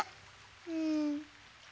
うん。